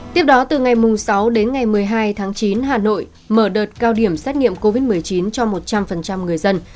tiếp đó từ ngày sáu đến ngày một mươi hai tháng chín hà nội mở đợt cao điểm xét nghiệm covid một mươi chín cho một trăm linh người dân